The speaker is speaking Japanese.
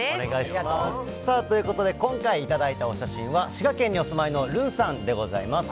さあ、ということで、今回頂いたお写真は滋賀県にお住まいのるんさんでございます。